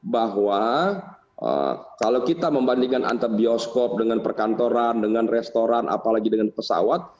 bahwa kalau kita membandingkan antar bioskop dengan perkantoran dengan restoran apalagi dengan pesawat